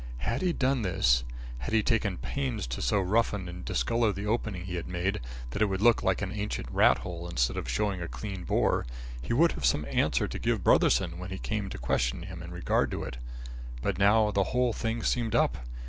Had he done this, had he taken pains to so roughen and discolour the opening he had made, that it would look like an ancient rat hole instead of showing a clean bore, he would have some answer to give Brotherson when he came to question him in regard to it. But now the whole thing seemed up!